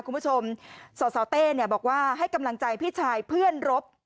คุณผู้ชมสสเต้บอกว่าให้กำลังใจพี่ชายเพื่อนรบ